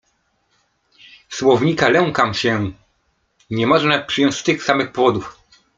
"Słownika lękam się, nie można przyjąć z tych samych powodów."